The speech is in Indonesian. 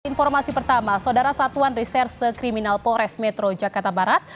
informasi pertama saudara satuan riserse kriminal polres metro jakarta barat